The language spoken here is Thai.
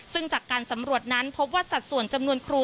ซึ่งจากการสำรวจนั้นพบว่าสัดส่วนจำนวนครู